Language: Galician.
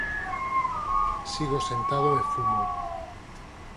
Sigo sentado e fumo.